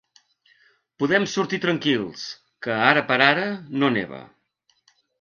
Podem sortir tranquils, que ara per ara no neva.